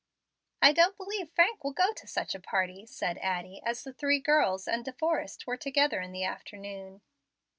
"I don't believe Frank will go to such a party," said Addie, as the three girls and De Forrest were together in the afternoon.